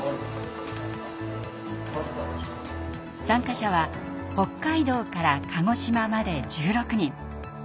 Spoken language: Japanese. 参加者は北海道から鹿児島まで１６人。